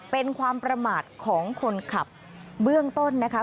เป็นความประมาทของคนขับเบื้องต้นนะคะ